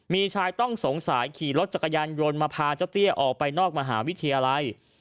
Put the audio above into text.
มีชายต้องสงสัยขี่รถจักรยานยนต์มาพาเจ้าเตี้ยออกไปนอกมหาวิทยาลัย